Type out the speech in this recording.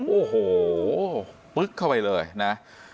โอ้โหปึ๊กเข้าไปเลยนะ